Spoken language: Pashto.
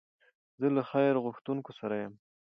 زه له خیر غوښتونکو سره یم.